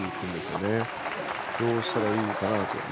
どうしたらいいかと。